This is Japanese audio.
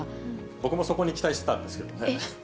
僕もそこに期待してたんですけどね。